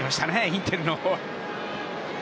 インテルのほうは。